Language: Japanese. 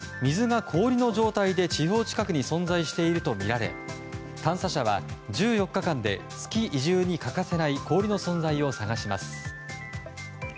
月の北極と南極には水が氷の状態で地表近くに存在しているとみられ探査車は１４日間で月移住に欠かせない氷の存在を探します。